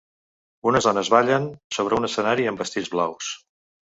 Unes dones ballen sobre un escenari amb vestits blaus.